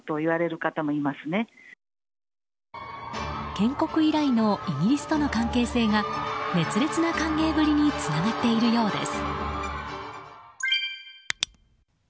建国以来のイギリスとの関係性が熱烈な歓迎ぶりにつながっているようです。